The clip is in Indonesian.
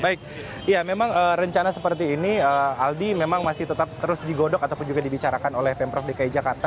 baik ya memang rencana seperti ini aldi memang masih tetap terus digodok ataupun juga dibicarakan oleh pemprov dki jakarta